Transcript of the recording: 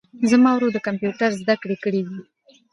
زما ورور د کمپیوټر زده کړي کړیدي